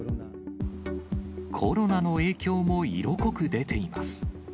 コロナの影響も色濃く出ています。